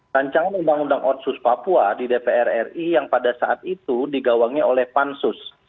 rancangan undang undang otsus papua di dpr ri yang pada saat itu digawangi oleh pansus